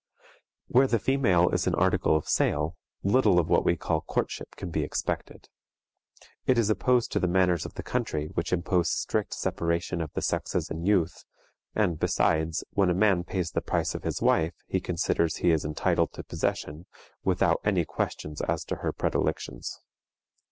Where the female is an article of sale, little of what we call courtship can be expected. It is opposed to the manners of the country, which impose strict separation of the sexes in youth; and, besides, when a man pays the price of his wife, he considers he is entitled to possession, without any question as to her predilections.